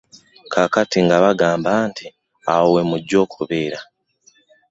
Kaakati nga bagamba nti awo we mujja okubeera.